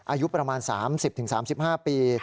อายุประมาณ๓๐๓๕ปี